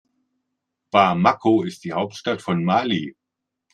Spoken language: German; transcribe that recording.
Bamako ist die Hauptstadt von Mali.